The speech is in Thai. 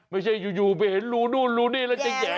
ไม่ใช่อยู่ไปเห็นรูนู่นรูนี่แล้วจะแห่